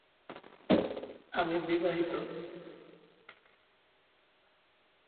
সামাজিক সমর্থনের নেটওয়ার্ক গঠন হচ্ছে এই প্রক্রিয়ার একটি অংশ।